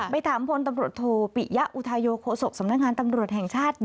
ไปถามพลตำรวจโทปิยะอุทาโยโคศกสำนักงานตำรวจแห่งชาติ